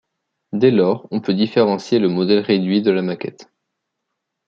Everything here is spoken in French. Dès lors, on peut différencier le modèle réduit de la maquette.